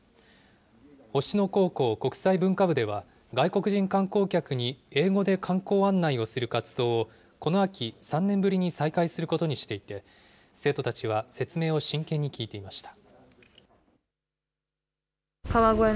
星野高校国際文化部では、外国人観光客に英語で観光案内をする活動を、この秋、３年ぶりに再開することにしていて、生徒たちは説明を真剣に聞いていました。